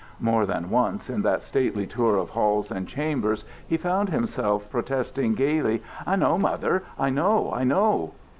More than once in that stately tour of halls and chambers he found himself protesting gaily, "I know, Mother! I know, I know!"